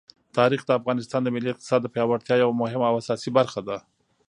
تاریخ د افغانستان د ملي اقتصاد د پیاوړتیا یوه مهمه او اساسي برخه ده.